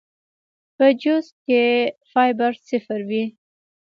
پۀ جوس کښې فائبر صفر وي